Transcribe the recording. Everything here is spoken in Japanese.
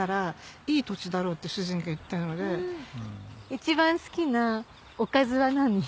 一番好きなおかずは何？